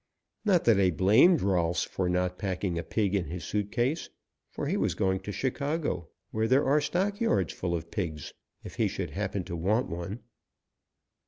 Not that I blamed Rolfs for not packing a pig in his suit case, for he was going to Chicago where there are stock yards full of pigs, if he should happen to want one.